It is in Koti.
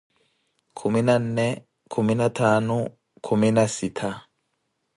Kumi na nne, kumi na ttaanu, kumi na sittha.